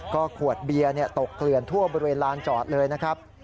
ก็ขวดเบียร์ตกเกลื่อนทั่วบริเวณลานจอดเลยนะครับ